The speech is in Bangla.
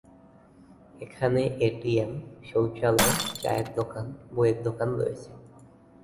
এখানে এটিএম, শৌচালয়, চায়ের দোকান, বইয়ের দোকান রয়েছে।